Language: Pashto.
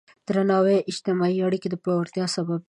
درناوی د اجتماعي اړیکو د پیاوړتیا سبب دی.